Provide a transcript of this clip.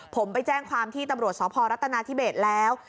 ผมไปแจ้งความที่ตำรวจสพรัฐนาธิเบสแล้ว